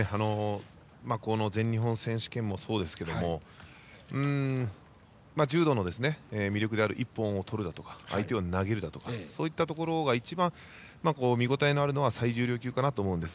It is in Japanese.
全日本選手権もそうですが柔道の魅力である一本をとるだとか相手を投げるだとかそういったところが一番見応えがあるのは最重量級かなと思うんです。